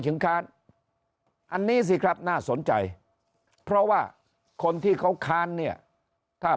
ถึงค้านอันนี้สิครับน่าสนใจเพราะว่าคนที่เขาค้านเนี่ยถ้า